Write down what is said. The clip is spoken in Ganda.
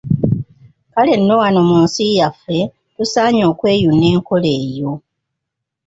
Kale na wano mu nsi yaffe tusaanye okweyuna enkola eyo.